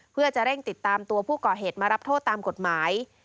เพื่อจะเร่งติดตามตัวผู้ก่อเหตุมารับโทษตามกฎหมาย